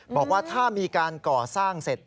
บอกว่าถ้ามีการก่อสร้างเสร็จ